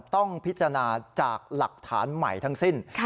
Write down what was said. ต้องพิจารณาจากหลักฐานใหม่ทั้งสิ้น